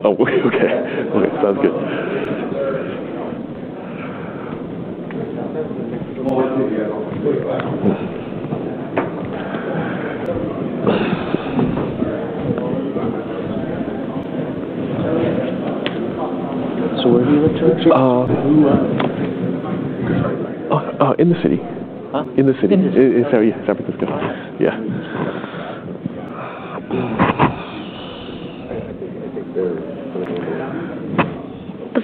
Okay. Sounds good. Now that's a little easier on people. Where do you live? In the city. Huh? In the city. Sorry, yeah, San Francisco.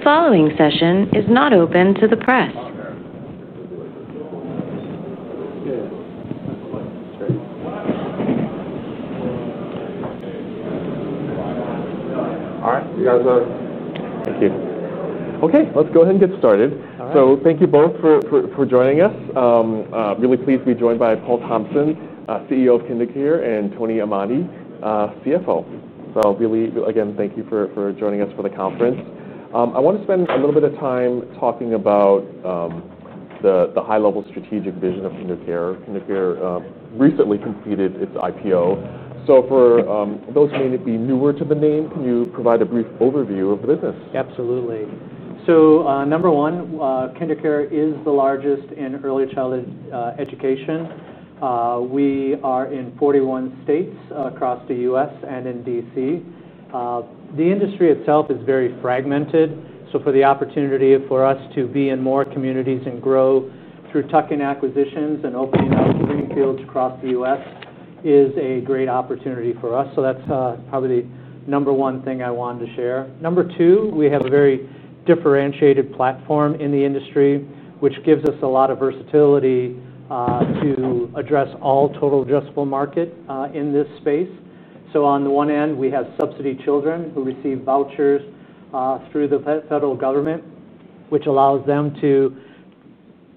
The following session is not open to the press. All right. You guys are taking. Okay, let's go ahead and get started. Thank you both for joining us. Really pleased to be joined by Paul Thompson, CEO of KinderCare Learning Companies, and Tony Amandi, CFO. Thank you for joining us for the conference. I want to spend a little bit of time talking about the high-level strategic vision of KinderCare Learning Companies. KinderCare Learning Companies recently completed its IPO. For those who may be newer to the name, can you provide a brief overview of the business? Absolutely. Number one, KinderCare is the largest in early childhood education. We are in 41 states across the U.S. and in Washington, D.C. The industry itself is very fragmented. The opportunity for us to be in more communities and grow through tuck-in acquisitions and opening 90 learning fields across the U.S. is a great opportunity for us. That's probably the number one thing I wanted to share. Number two, we have a very differentiated platform in the industry, which gives us a lot of versatility to address all total addressable market in this space. On the one end, we have subsidy children who receive vouchers through the federal government, which allows them to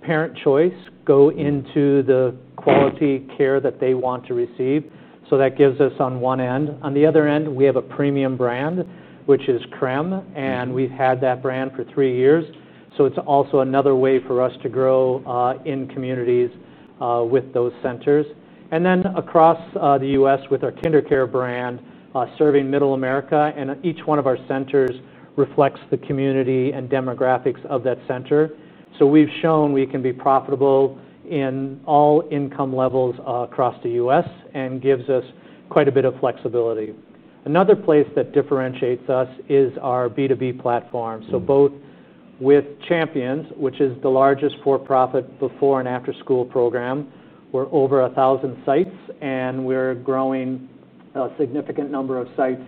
parent choice go into the quality care that they want to receive. That gives us on one end. On the other end, we have a premium brand, which is Crème School, and we've had that brand for three years. It's also another way for us to grow in communities with those centers. Across the U.S., with our KinderCare brand serving Middle America, each one of our centers reflects the community and demographics of that center. We've shown we can be profitable in all income levels across the U.S. and it gives us quite a bit of flexibility. Another place that differentiates us is our B2B platform. Both with Champions, which is the largest for-profit before and after-school program, we're over 1,000 sites, and we're growing a significant number of sites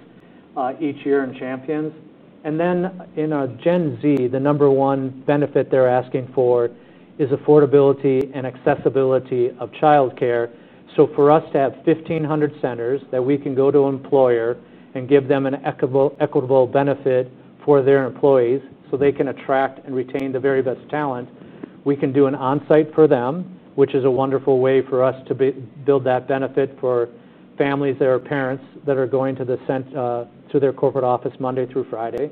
each year in Champions. In our Gen Z, the number one benefit they're asking for is affordability and accessibility of childcare. For us to have 1,500 centers that we can go to employer and give them an equitable benefit for their employees so they can attract and retain the very best talent, we can do an onsite for them, which is a wonderful way for us to build that benefit for families that are parents that are going to their corporate office Monday through Friday.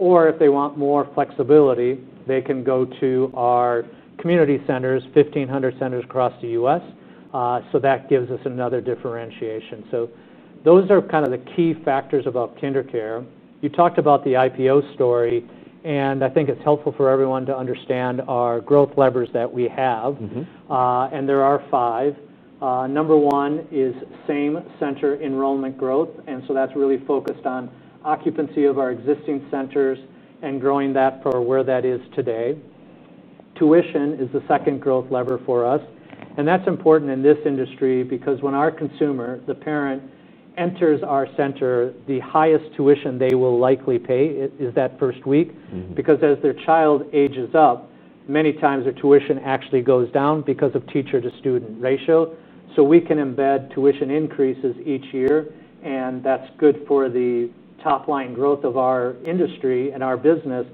If they want more flexibility, they can go to our community centers, 1,500 centers across the U.S. That gives us another differentiation. Those are kind of the key factors about KinderCare. You talked about the IPO story, and I think it's helpful for everyone to understand our growth levers that we have. There are five. Number one is same center enrollment growth. That's really focused on occupancy of our existing centers and growing that for where that is today. Tuition is the second growth lever for us. That's important in this industry because when our consumer, the parent, enters our center, the highest tuition they will likely pay is that first week. As their child ages up, many times their tuition actually goes down because of teacher-to-student ratio. We can embed tuition increases each year, and that's good for the top-line growth of our industry and our business.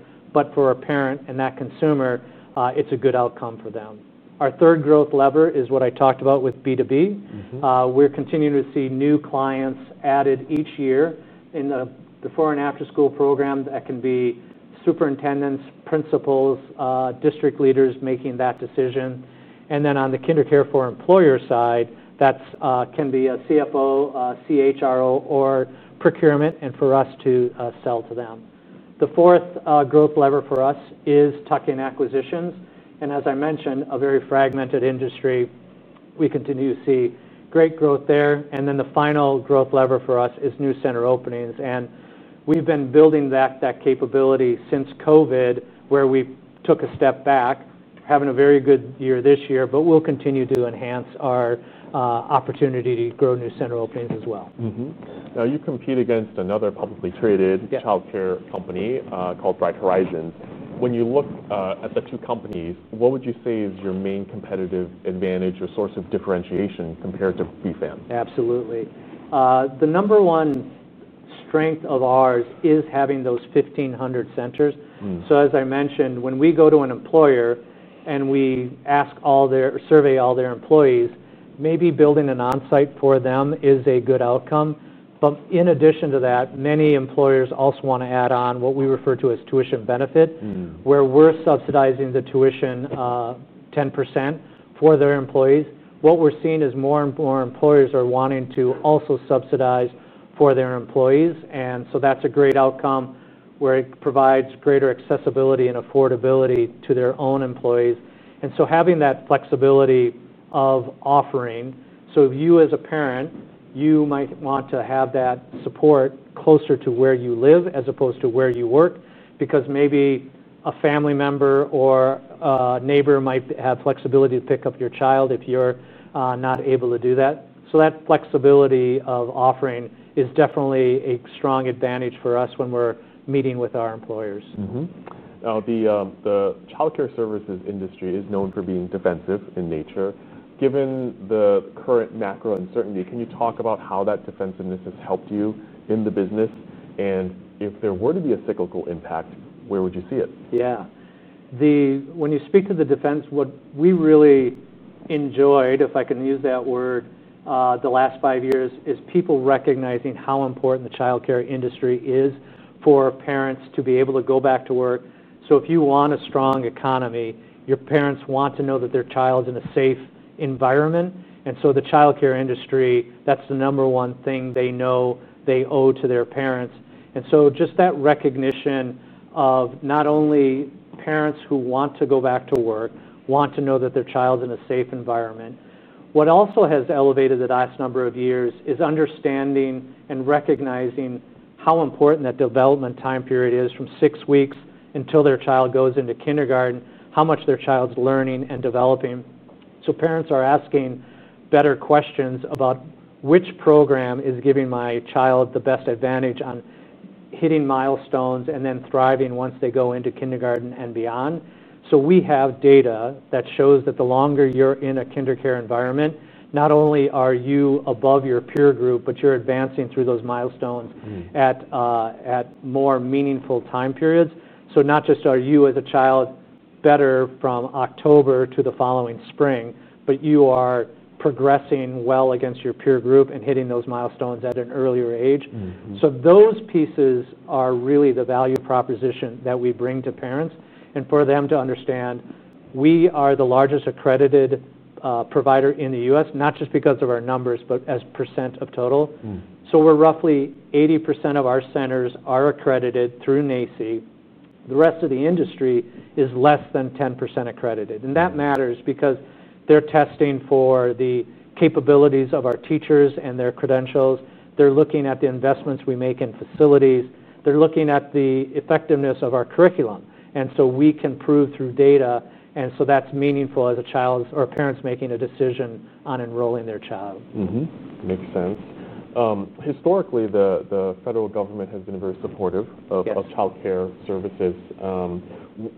For a parent and that consumer, it's a good outcome for them. Our third growth lever is what I talked about with B2B. We're continuing to see new clients added each year in the before and after-school program. That can be superintendents, principals, district leaders making that decision. On the KinderCare at Work side, that can be a CFO, CHRO, or procurement, and for us to sell to them. The fourth growth lever for us is tuck-in acquisitions. As I mentioned, a very fragmented industry. We continue to see great growth there. The final growth lever for us is new center openings. We've been building that capability since COVID, where we took a step back, having a very good year this year. We'll continue to enhance our opportunity to grow new center openings as well. Now you compete against another publicly traded childcare company called Bright Horizons. When you look at the two companies, what would you say is your main competitive advantage or source of differentiation compared to Bright Horizons? Absolutely. The number one strength of ours is having those 1,500 centers. As I mentioned, when we go to an employer and we survey all their employees, maybe building an onsite for them is a good outcome. In addition to that, many employers also want to add on what we refer to as tuition benefit, where we're subsidizing the tuition 10% for their employees. What we're seeing is more and more employers are wanting to also subsidize for their employees. That's a great outcome where it provides greater accessibility and affordability to their own employees. Having that flexibility of offering, if you as a parent, you might want to have that support closer to where you live as opposed to where you work because maybe a family member or a neighbor might have flexibility to pick up your child if you're not able to do that. That flexibility of offering is definitely a strong advantage for us when we're meeting with our employers. Now the childcare services industry is known for being defensive in nature. Given the current macro uncertainty, can you talk about how that defensiveness has helped you in the business? If there were to be a cyclical impact, where would you see it? Yeah. When you speak of the defense, what we really enjoyed, if I can use that word, the last five years, is people recognizing how important the childcare industry is for parents to be able to go back to work. If you want a strong economy, your parents want to know that their child's in a safe environment. The childcare industry, that's the number one thing they know they owe to their parents. Just that recognition of not only parents who want to go back to work want to know that their child's in a safe environment. What also has elevated the last number of years is understanding and recognizing how important that development time period is from six weeks until their child goes into kindergarten, how much their child's learning and developing. Parents are asking better questions about which program is giving my child the best advantage on hitting milestones and then thriving once they go into kindergarten and beyond. We have data that shows that the longer you're in a kindergarten environment, not only are you above your peer group, but you're advancing through those milestones at more meaningful time periods. Not just are you as a child better from October to the following spring, but you are progressing well against your peer group and hitting those milestones at an earlier age. Those pieces are really the value proposition that we bring to parents. For them to understand, we are the largest accredited provider in the U.S., not just because of our numbers, but as percent of total. We're roughly 80% of our centers are accredited through NAEYC. The rest of the industry is less than 10% accredited. That matters because they're testing for the capabilities of our teachers and their credentials. They're looking at the investments we make in facilities. They're looking at the effectiveness of our curriculum. We can prove through data. That's meaningful as a child's or parents making a decision on enrolling their child. Makes sense. Historically, the federal government has been very supportive of childcare services.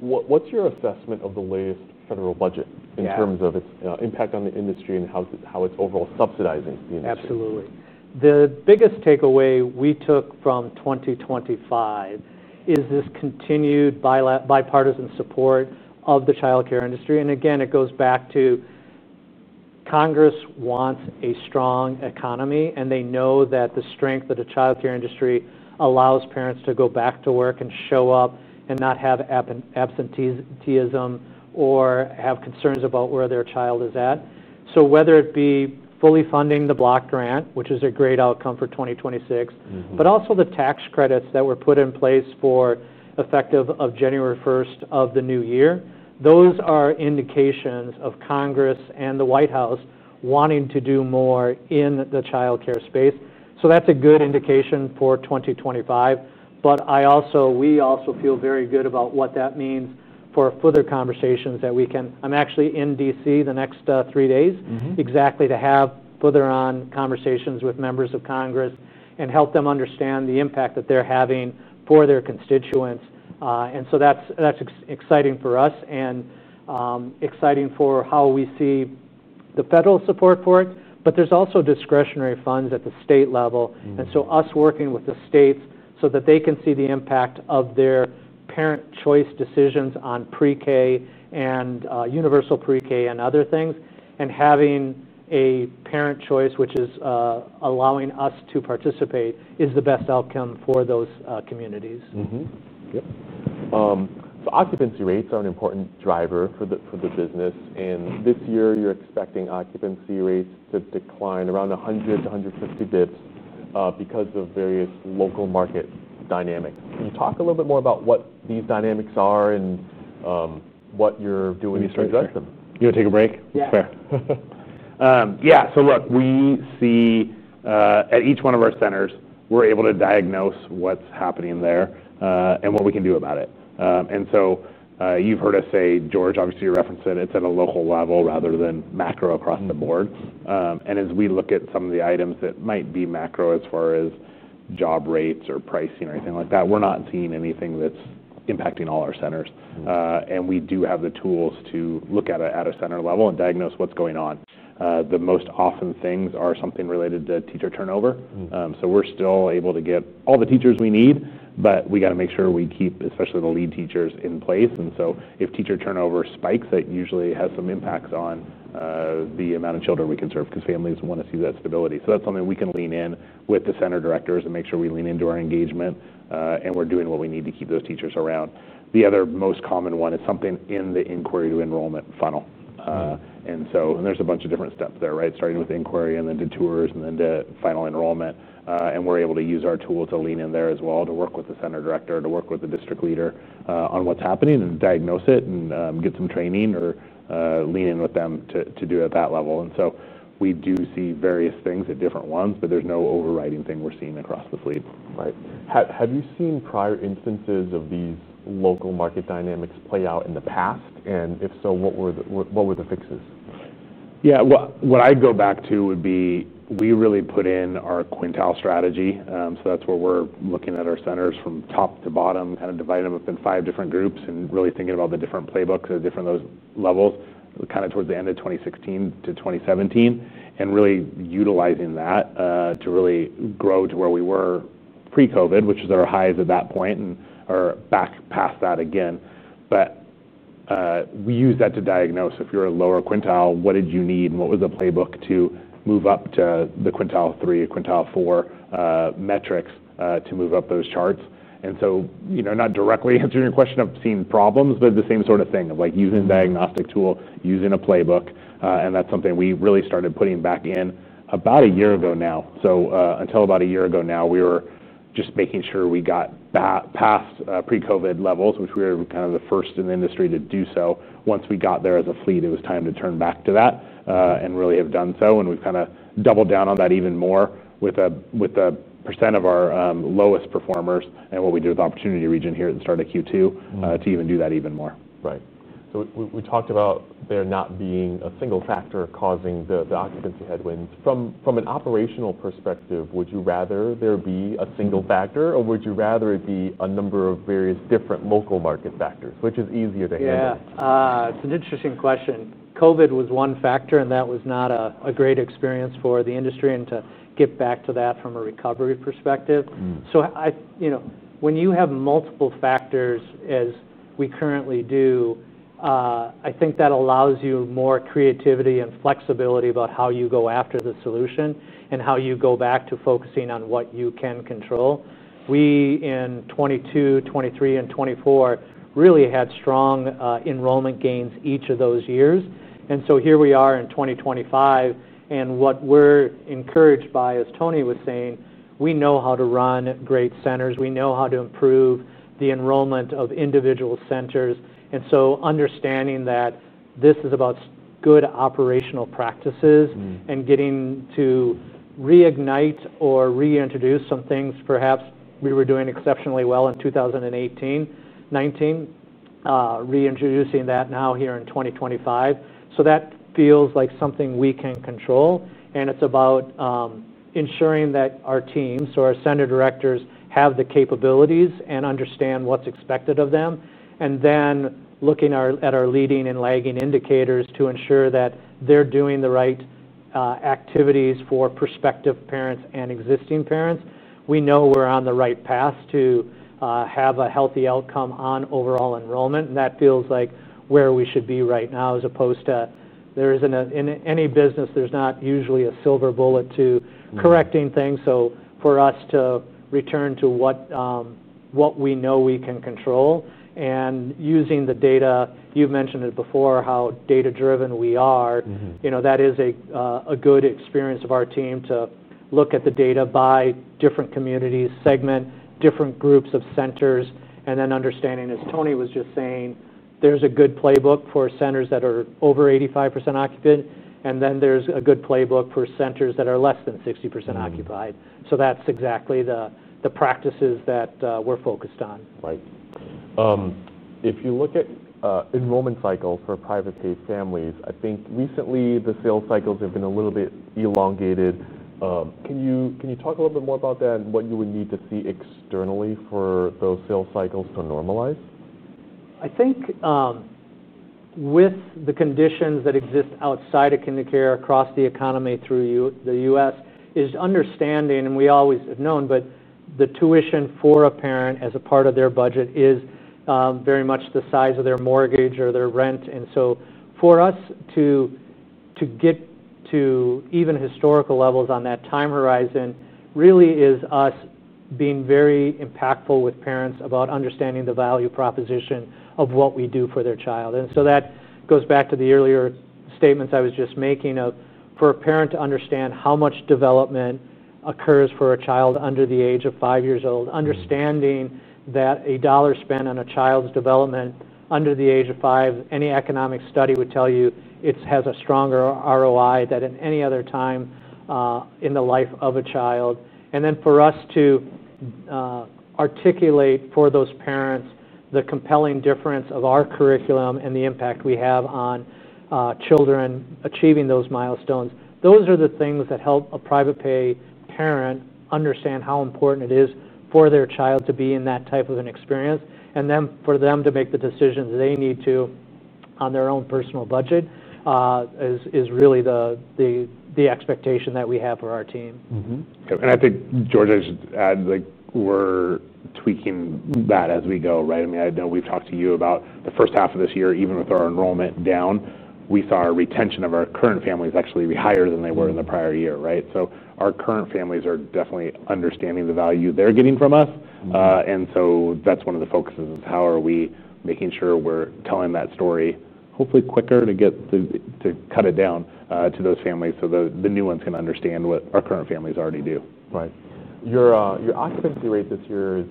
What's your assessment of the latest federal budget in terms of its impact on the industry and how it's overall subsidizing the industry? Absolutely. The biggest takeaway we took from 2025 is this continued bipartisan support of the childcare industry. It goes back to Congress wants a strong economy, and they know that the strength of the childcare industry allows parents to go back to work and show up and not have absenteeism or have concerns about where their child is at. Whether it be fully funding the block grant, which is a great outcome for 2026, or the tax credits that were put in place effective January 1 of the new year, those are indications of Congress and the White House wanting to do more in the childcare space. That's a good indication for 2025. We also feel very good about what that means for further conversations that we can, I'm actually in Washington, D.C. the next three days exactly to have further conversations with members of Congress and help them understand the impact that they're having for their constituents. That's exciting for us and exciting for how we see the federal support for it. There's also discretionary funds at the state level. Us working with the states so that they can see the impact of their parent choice decisions on pre-K and universal pre-K and other things, and having a parent choice, which is allowing us to participate, is the best outcome for those communities. Yep. Occupancy rates are an important driver for the business. This year, you're expecting occupancy rates to decline around 100 to 150 bps because of various local market dynamics. Can you talk a little bit more about what these dynamics are and what you're doing to address them? You want to take a break? Yeah. Fair. Yeah. Look, we see at each one of our centers, we're able to diagnose what's happening there and what we can do about it. You've heard us say, George, obviously you referenced it. It's at a local level rather than macro across the board. As we look at some of the items that might be macro as far as job rates or pricing or anything like that, we're not seeing anything that's impacting all our centers. We do have the tools to look at it at a center level and diagnose what's going on. The most often things are something related to teacher turnover. We're still able to get all the teachers we need, but we got to make sure we keep especially the lead teachers in place. If teacher turnover spikes, that usually has some impacts on the amount of children we can serve because families want to see that stability. That's something we can lean in with the center directors and make sure we lean into our engagement and we're doing what we need to keep those teachers around. The other most common one is something in the inquiry to enrollment funnel. There's a bunch of different steps there, right? Starting with inquiry and then to tours and then to final enrollment. We're able to use our tool to lean in there as well to work with the center director, to work with the district leader on what's happening and diagnose it and get some training or lean in with them to do it at that level. We do see various things at different ones, but there's no overriding thing we're seeing across the fleet. Right. Have you seen prior instances of these local market dynamics play out in the past? If so, what were the fixes? Yeah. What I'd go back to would be we really put in our quintile strategy. That's where we're looking at our centers from top to bottom, kind of dividing them up in five different groups and really thinking about the different playbooks at different levels, kind of towards the end of 2016 to 2017, and really utilizing that to really grow to where we were pre-COVID, which was at our highs at that point and are back past that again. We use that to diagnose if you're a lower quintile, what did you need and what was the playbook to move up to the quintile three, quintile four metrics to move up those charts. Not directly answering your question of seeing problems, but the same sort of thing of like using a diagnostic tool, using a playbook. That's something we really started putting back in about a year ago now. Until about a year ago, we were just making sure we got past pre-COVID levels, which we were kind of the first in the industry to do. Once we got there as a fleet, it was time to turn back to that and really have done so. We've kind of doubled down on that even more with a % of our lowest performers and what we did with the opportunity region here at the start of Q2 to do that even more. We talked about there not being a single factor causing the occupancy headwinds. From an operational perspective, would you rather there be a single factor or would you rather it be a number of various different local market factors, which is easier to handle? Yeah. It's an interesting question. COVID was one factor and that was not a great experience for the industry and to get back to that from a recovery perspective. When you have multiple factors as we currently do, I think that allows you more creativity and flexibility about how you go after the solution and how you go back to focusing on what you can control. We in 2022, 2023, and 2024 really had strong enrollment gains each of those years. Here we are in 2025. What we're encouraged by, as Tony was saying, we know how to run great centers. We know how to improve the enrollment of individual centers. Understanding that this is about good operational practices and getting to reignite or reintroduce some things perhaps we were doing exceptionally well in 2018, 2019, reintroducing that now here in 2025. That feels like something we can control. It's about ensuring that our teams or our Center Directors have the capabilities and understand what's expected of them. Looking at our leading and lagging indicators to ensure that they're doing the right activities for prospective parents and existing parents. We know we're on the right path to have a healthy outcome on overall enrollment. That feels like where we should be right now as opposed to there isn't in any business, there's not usually a silver bullet to correcting things. For us to return to what we know we can control and using the data, you've mentioned it before, how data-driven we are. That is a good experience of our team to look at the data by different communities, segment different groups of centers, and then understanding, as Tony was just saying, there's a good playbook for centers that are over 85% occupied. There's a good playbook for centers that are less than 60% occupied. That's exactly the practices that we're focused on. Right. If you look at enrollment cycle for private paid families, I think recently the sales cycles have been a little bit elongated. Can you talk a little bit more about that and what you would need to see externally for those sales cycles to normalize? I think with the conditions that exist outside of KinderCare across the economy through the U.S. is understanding, and we always have known, but the tuition for a parent as a part of their budget is very much the size of their mortgage or their rent. For us to get to even historical levels on that time horizon really is us being very impactful with parents about understanding the value proposition of what we do for their child. That goes back to the earlier statements I was just making of for a parent to understand how much development occurs for a child under the age of five years old, understanding that a dollar spent on a child's development under the age of five, any economic study would tell you it has a stronger ROI than at any other time in the life of a child. For us to articulate for those parents the compelling difference of our curriculum and the impact we have on children achieving those milestones, those are the things that help a private pay parent understand how important it is for their child to be in that type of an experience. For them to make the decisions they need to on their own personal budget is really the expectation that we have for our team. I think, George, I should add, we're tweaking that as we go, right? I know we've talked to you about the first half of this year. Even with our enrollment down, we saw our retention of our current families actually be higher than they were in the prior year, right? Our current families are definitely understanding the value they're getting from us. One of the focuses is how are we making sure we're telling that story, hopefully quicker, to get it down to those families so that the new ones can understand what our current families already do. Your occupancy rate this year is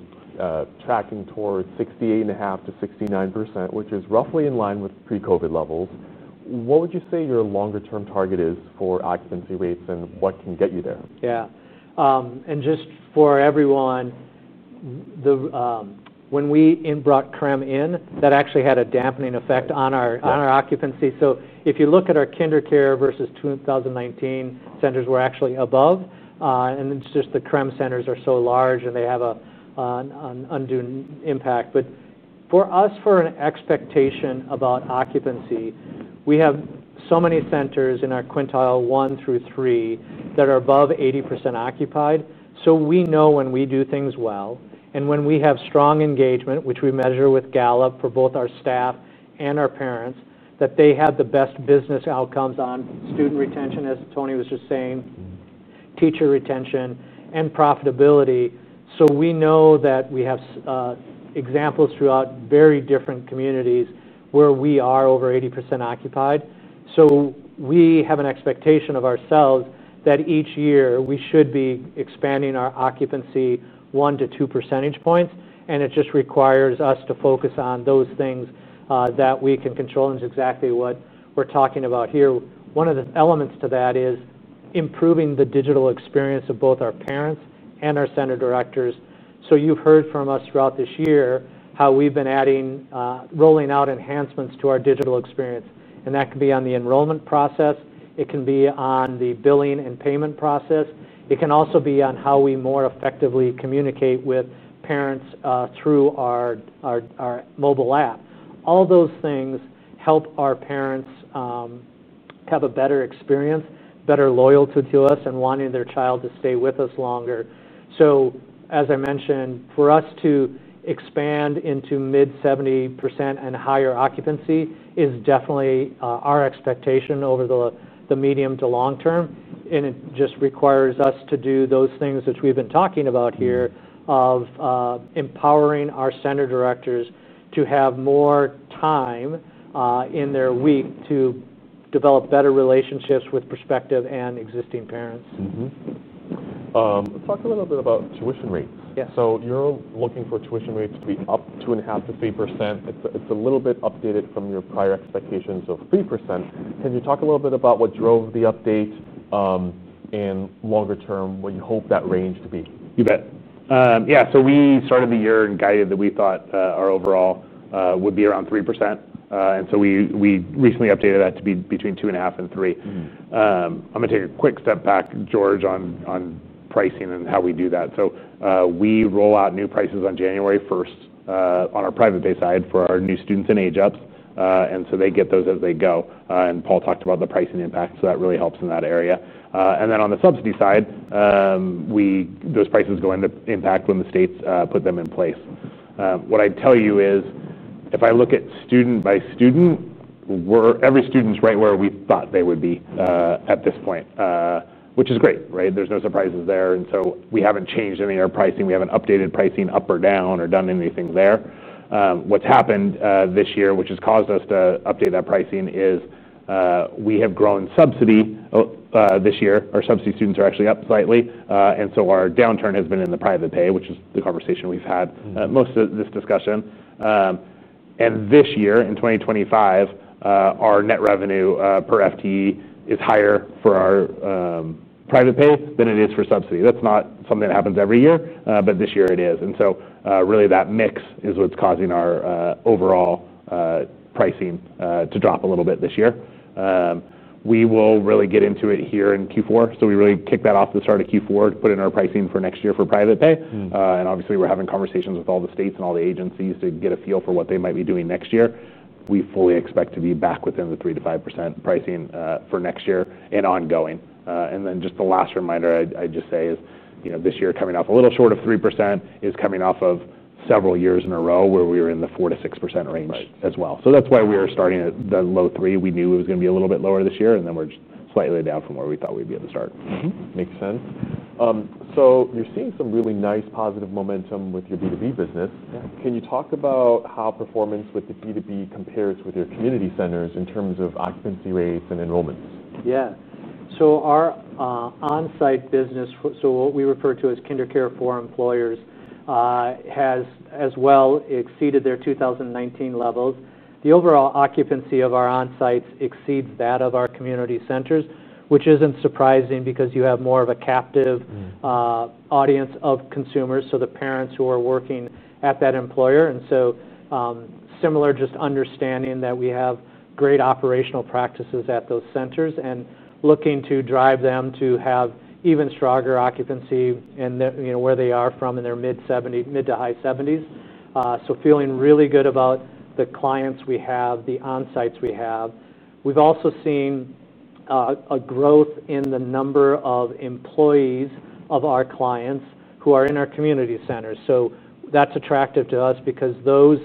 tracking towards 68.5% to 69%, which is roughly in line with pre-COVID levels. What would you say your longer-term target is for occupancy rates and what can get you there? Yeah. Just for everyone, when we brought Crème School in, that actually had a dampening effect on our occupancy. If you look at our KinderCare versus 2019 centers, we're actually above. It's just the Crème School centers are so large and they have an undue impact. For us, for an expectation about occupancy, we have so many centers in our quintile one through three that are above 80% occupied. We know when we do things well and when we have strong engagement, which we measure with Gallup for both our staff and our parents, that they have the best business outcomes on student retention, as Tony was just saying, teacher retention, and profitability. We know that we have examples throughout very different communities where we are over 80% occupied. We have an expectation of ourselves that each year we should be expanding our occupancy one to two percentage points. It just requires us to focus on those things that we can control and is exactly what we're talking about here. One of the elements to that is improving the digital experience of both our parents and our center directors. You've heard from us throughout this year how we've been adding, rolling out enhancements to our digital experience. That can be on the enrollment process. It can be on the billing and payment process. It can also be on how we more effectively communicate with parents through our mobile app. All those things help our parents have a better experience, better loyalty to us, and wanting their child to stay with us longer. As I mentioned, for us to expand into mid-70% and higher occupancy is definitely our expectation over the medium to long term. It just requires us to do those things which we've been talking about here of empowering our center directors to have more time in their week to develop better relationships with prospective and existing parents. Let's talk a little bit about tuition rates. You're looking for tuition rates to be up 2.5% to 3%. It's a little bit updated from your prior expectations of 3%. Can you talk a little bit about what drove the update and longer term when you hope that range to be? You bet. Yeah. We started the year and guided that we thought our overall would be around 3%. We recently updated that to be between 2.5% and 3%. I'm going to take a quick step back, George, on pricing and how we do that. We roll out new prices on January 1 for our private pay side for our new students and age-ups. They get those as they go. Paul talked about the pricing impact. That really helps in that area. On the subsidy side, those prices go into impact when the states put them in place. What I'd tell you is if I look at student by student, every student's right where we thought they would be at this point, which is great, right? There's no surprises there. We haven't changed any of our pricing. We haven't updated pricing up or down or done anything there. What's happened this year, which has caused us to update that pricing, is we have grown subsidy this year. Our subsidy students are actually up slightly. Our downturn has been in the private pay, which is the conversation we've had most of this discussion. In 2025, our net revenue per FTE is higher for our private pay than it is for subsidy. That's not something that happens every year, but this year it is. That mix is what's causing our overall pricing to drop a little bit this year. We will really get into it here in Q4. We really kick that off at the start of Q4 to put in our pricing for next year for private pay. Obviously, we're having conversations with all the states and all the agencies to get a feel for what they might be doing next year. We fully expect to be back within the 3% to 5% pricing for next year and ongoing. Just the last reminder I'd say is this year coming off a little short of 3% is coming off of several years in a row where we were in the 4% to 6% range as well. That's why we are starting at the low 3. We knew it was going to be a little bit lower this year, and we're just slightly down from where we thought we'd be at the start. Makes sense. You're seeing some really nice positive momentum with your B2B business. Can you talk about how performance with the B2B compares with your community centers in terms of occupancy rates and enrollments? Yeah. Our onsite business, what we refer to as KinderCare at Work, has as well exceeded their 2019 levels. The overall occupancy of our onsites exceeds that of our community centers, which isn't surprising because you have more of a captive audience of consumers, the parents who are working at that employer. Similar, just understanding that we have great operational practices at those centers and looking to drive them to have even stronger occupancy and where they are from in their mid-to-high 70%. Feeling really good about the clients we have, the onsites we have. We've also seen a growth in the number of employees of our clients who are in our community centers. That's attractive to us because those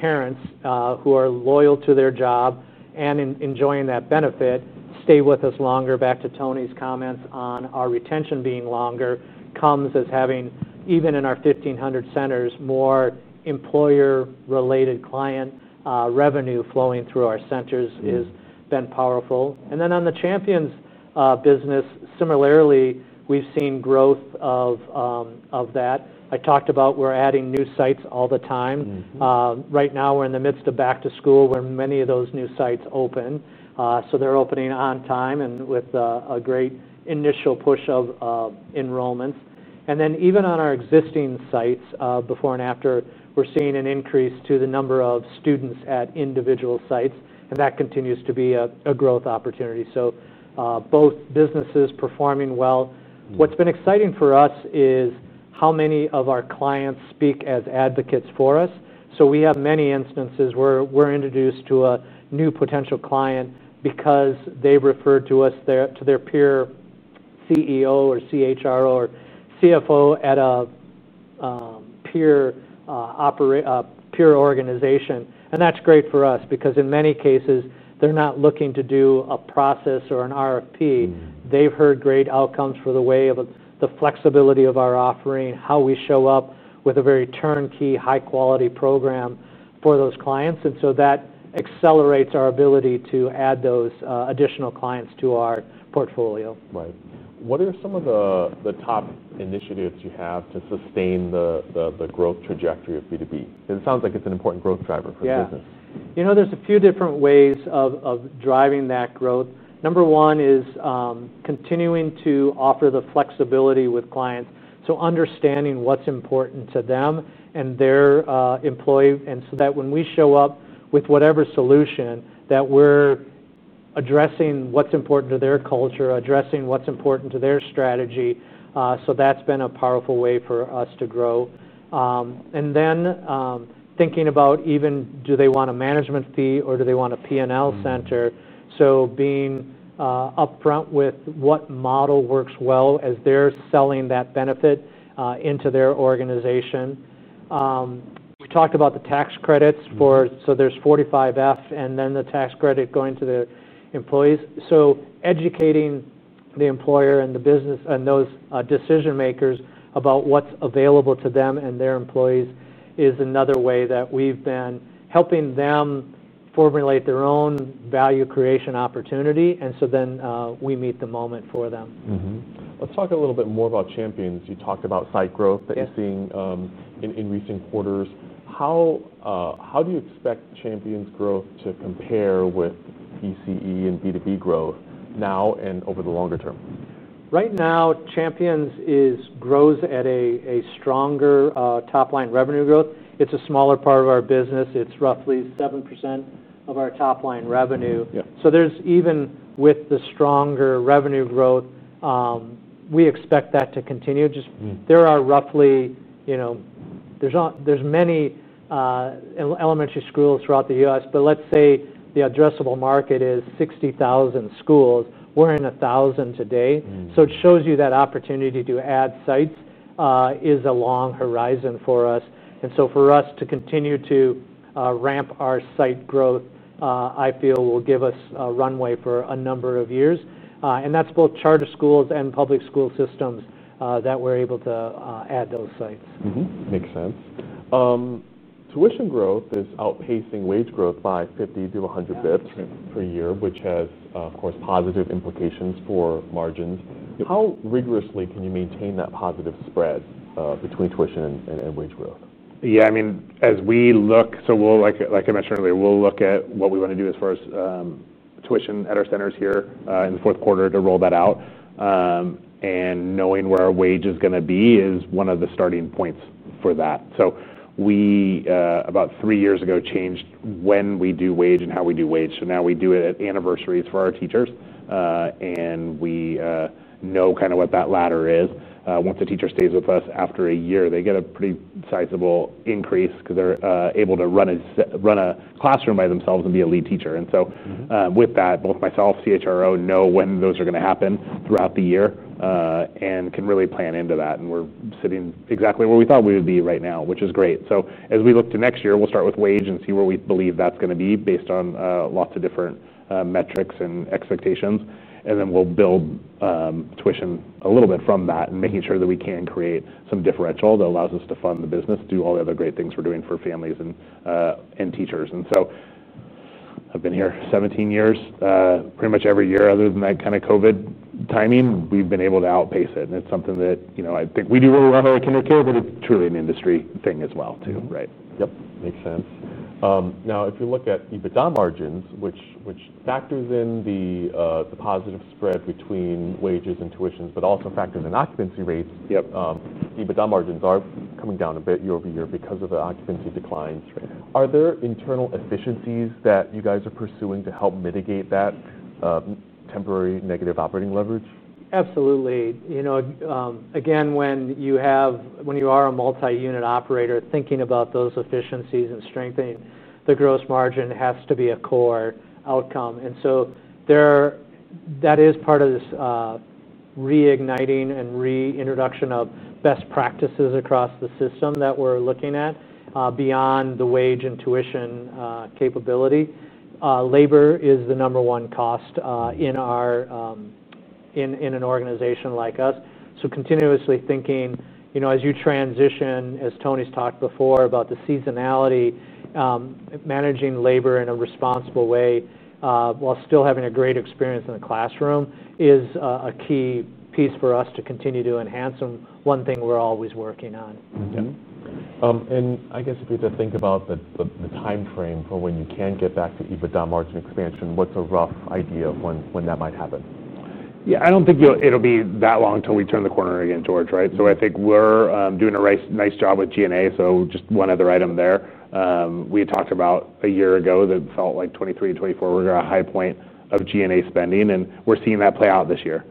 parents who are loyal to their job and enjoying that benefit stay with us longer. Back to Tony Amandi's comments on our retention being longer comes as having even in our 1,500 centers more employer-related client revenue flowing through our centers has been powerful. On the Champions business, similarly, we've seen growth of that. I talked about we're adding new sites all the time. Right now, we're in the midst of back-to-school where many of those new sites open. They're opening on time and with a great initial push of enrollments. Even on our existing sites before and after, we're seeing an increase to the number of students at individual sites. That continues to be a growth opportunity. Both businesses performing well. What's been exciting for us is how many of our clients speak as advocates for us. We have many instances where we're introduced to a new potential client because they refer us to their peer CEO or CHRO or CFO at a peer organization. That's great for us because in many cases, they're not looking to do a process or an RFP. They've heard great outcomes for the way of the flexibility of our offering, how we show up with a very turnkey, high-quality program for those clients. That accelerates our ability to add those additional clients to our portfolio. Right. What are some of the top initiatives you have to sustain the growth trajectory of B2B? It sounds like it's an important growth driver for the business. Yeah. There's a few different ways of driving that growth. Number one is continuing to offer the flexibility with clients, understanding what's important to them and their employee. When we show up with whatever solution, we're addressing what's important to their culture, addressing what's important to their strategy. That's been a powerful way for us to grow. Thinking about even do they want a management fee or do they want a P&L center, being upfront with what model works well as they're selling that benefit into their organization. We talked about the tax credits for, so there's 45F and then the tax credit going to the employees. Educating the employer and the business and those decision makers about what's available to them and their employees is another way that we've been helping them formulate their own value creation opportunity. We meet the moment for them. Let's talk a little bit more about Champions. You talked about site growth that you're seeing in recent quarters. How do you expect Champions growth to compare with PCE and B2B growth now and over the longer term? Right now, Champions grows at a stronger top-line revenue growth. It's a smaller part of our business. It's roughly 7% of our top-line revenue. Even with the stronger revenue growth, we expect that to continue. There are roughly, you know, there's many elementary schools throughout the U.S., but let's say the addressable market is 60,000 schools. We're in 1,000 today. It shows you that opportunity to add sites is a long horizon for us. For us to continue to ramp our site growth, I feel will give us a runway for a number of years. That's both charter schools and public school systems that we're able to add those sites. Makes sense. Tuition growth is outpacing wage growth by 50 to 100 bps per year, which has, of course, positive implications for margins. How rigorously can you maintain that positive spread between tuition and wage growth? Yeah, I mean, as we look, like I mentioned earlier, we'll look at what we want to do as far as tuition at our centers here in the fourth quarter to roll that out. Knowing where our wage is going to be is one of the starting points for that. About three years ago, we changed when we do wage and how we do wage. Now we do it at anniversaries for our teachers, and we know kind of what that ladder is. Once a teacher stays with us after a year, they get a pretty sizable increase because they're able to run a classroom by themselves and be a lead teacher. With that, both myself and the CHRO know when those are going to happen throughout the year and can really plan into that. We're sitting exactly where we thought we would be right now, which is great. As we look to next year, we'll start with wage and see where we believe that's going to be based on lots of different metrics and expectations. Then we'll build tuition a little bit from that, making sure that we can create some differential that allows us to fund the business and do all the other great things we're doing for families and teachers. I've been here 17 years, pretty much every year other than that kind of COVID timing, we've been able to outpace it. It's something that I think we do when we're running our KinderCare, but it's truly an industry thing as well too, right? Yep. Makes sense. Now, if you look at EBITDA margins, which factors in the positive spread between wages and tuitions, but also factors in occupancy rates, EBITDA margins are coming down a bit year over year because of the occupancy decline. Are there internal efficiencies that you guys are pursuing to help mitigate that temporary negative operating leverage? Absolutely. When you are a multi-unit operator, thinking about those efficiencies and strengthening the gross margin has to be a core outcome. That is part of this reigniting and reintroduction of best practices across the system that we're looking at beyond the wage and tuition capability. Labor is the number one cost in an organization like us. Continuously thinking, as Tony's talked before about the seasonality, managing labor in a responsible way while still having a great experience in a classroom is a key piece for us to continue to enhance and one thing we're always working on. If you had to think about the timeframe for when you can get back to EBITDA margin expansion, what's a rough idea of when that might happen? Yeah, I don't think it'll be that long till we turn the corner again, George, right? I think we're doing a nice job with G&A. Just one other item there. We had talked about a year ago that felt like 2023 and 2024 were going to have a high point of G&A spending, and we're seeing that play out this year.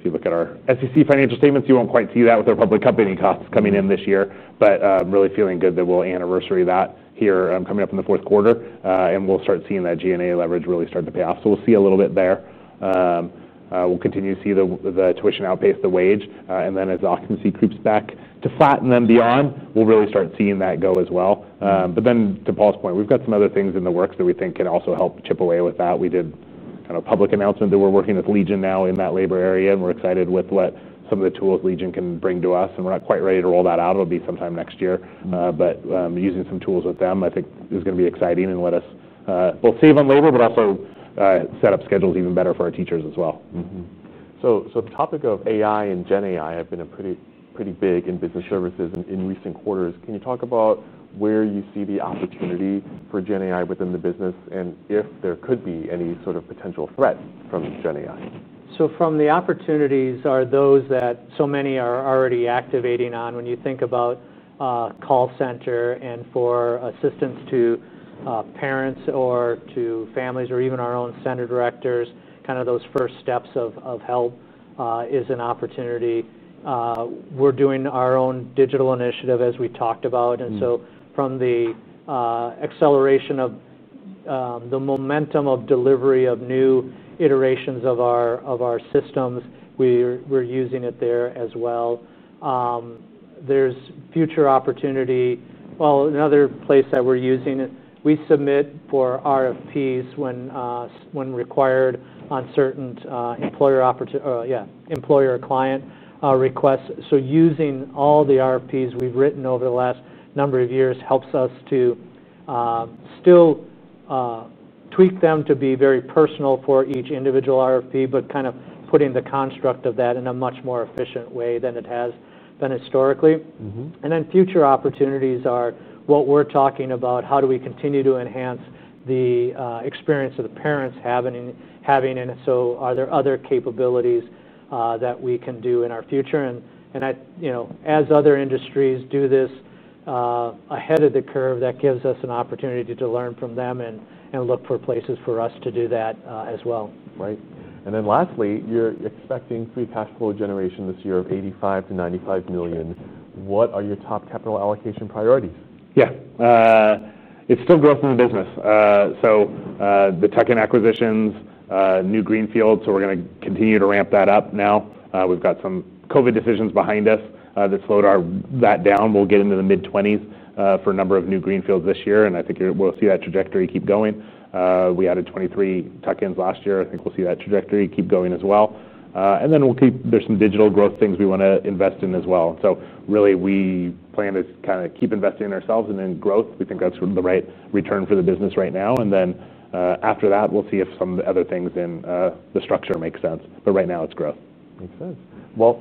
If you look at our SEC financial statements, you won't quite see that with our public company costs coming in this year, but really feeling good that we'll anniversary that here coming up in the fourth quarter, and we'll start seeing that G&A leverage really start to pay off. We'll see a little bit there. We'll continue to see the tuition outpace the wage, and then as occupancy creeps back to flat and then beyond, we'll really start seeing that go as well. To Paul's point, we've got some other things in the works that we think can also help chip away with that. We did kind of a public announcement that we're working with Legion now in that labor area, and we're excited with what some of the tools Legion can bring to us, and we're not quite ready to roll that out. It'll be sometime next year, but using some tools with them, I think is going to be exciting and let us both save on labor, but also set up schedules even better for our teachers as well. The topic of AI and GenAI have been pretty big in business services in recent quarters. Can you talk about where you see the opportunity for GenAI within the business, and if there could be any sort of potential threat from GenAI? The opportunities are those that so many are already activating on when you think about call center and for assistance to parents or to families or even our own center directors. Those first steps of help are an opportunity. We're doing our own digital initiative as we talked about, and from the acceleration of the momentum of delivery of new iterations of our systems, we're using it there as well. There is future opportunity. Another place that we're using it, we submit for RFPs when required on certain employer client requests. Using all the RFPs we've written over the last number of years helps us to still tweak them to be very personal for each individual RFP, but putting the construct of that in a much more efficient way than it has been historically. Future opportunities are what we're talking about. How do we continue to enhance the experience the parents are having? Are there other capabilities that we can do in our future? As other industries do this ahead of the curve, that gives us an opportunity to learn from them and look for places for us to do that as well. Right. Lastly, you're expecting free cash flow generation this year of $85 to $95 million. What are your top capital allocation priorities? Yeah. It's still growth in the business. The tuck-in acquisitions, new greenfields, we're going to continue to ramp that up now. We've got some COVID decisions behind us that slowed that down. We'll get into the mid-20s for a number of new greenfields this year. I think we'll see that trajectory keep going. We added 23 tuck-ins last year. I think we'll see that trajectory keep going as well. We'll keep, there's some digital growth things we want to invest in as well. Really, we plan to kind of keep investing in ourselves and in growth. We think that's the right return for the business right now. After that, we'll see if some of the other things in the structure make sense. Right now, it's growth. Makes sense.